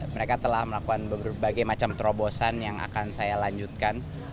mereka telah melakukan berbagai macam terobosan yang akan saya lanjutkan